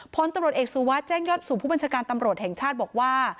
พลตำรวจเอกสุวัสดิแจ้งยอดสู่ผู้บัญชาการตำรวจแห่งชาติบอกว่า